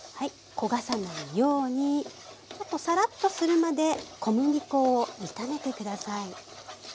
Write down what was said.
焦がさないようにちょっとサラッとするまで小麦粉を炒めて下さい。